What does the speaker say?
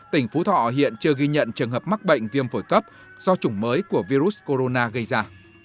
tỉnh phú thọ hiện chưa ghi nhận trường hợp mắc bệnh viêm phổi cấp do chủng mới của virus corona gây ra